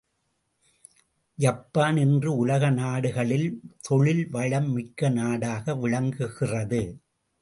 Japan இன்று உலக நாடுகளில் தொழில் வளம் மிக்க நாடாக விளங்குகிறது.